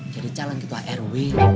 jadi jalan gitu arw